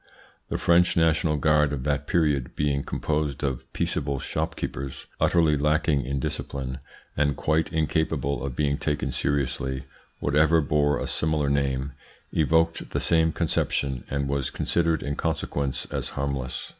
The French national guard of that period, being composed of peaceable shopkeepers, utterly lacking in discipline and quite incapable of being taken seriously, whatever bore a similar name, evoked the same conception and was considered in consequence as harmless.